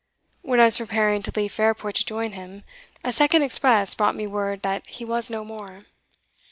When I was preparing to leave Fairport to join him, a second express brought me word that he was no more.